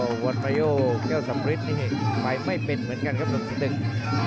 หรือว่าวนประโยชน์แก้วสัมฤทธิ์ที่เห็นไปไม่เป็นเหมือนกันครับลุงศัตรึง